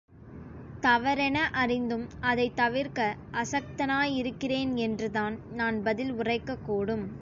தவறென அறிந்தும் அதைத் தவிர்க்க அசக்தனாயிருக்கிறேன் என்றுதான் நான் பதில் உரைக்கக்கூடும்.